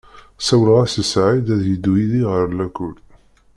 Sawleɣ-as i Saɛid ad yeddu yid-i ɣer lakul.